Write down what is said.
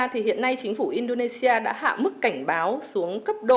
thì hiện nay chính phủ indonesia đã hạ mức cảnh báo xuống cấp độ